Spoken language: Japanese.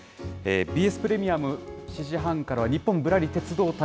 ＢＳプレミアム、７時半からは、ニッポンぶらり鉄道旅。